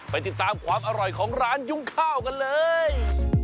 ไปติดตามความอร่อยของร้านยุ่งข้าวกันเลย